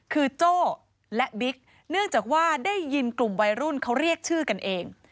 คือโจ้และบิ๊กเนื่องจากว่าได้ยินกลุ่มวัยรุ่นเขาเรียกชื่อกันเอง